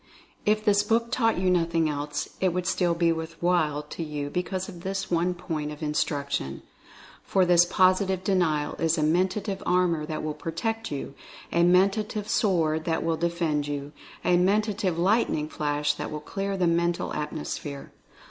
If this book taught you nothing else, it would still be "worth while" to you because of this one point of instruction. For this Positive De nial is a Mentative Armor that will protect you — a Mentative Sword that will defend you — a Mentative Lightning Flash that will clear the Mental Atmosphere.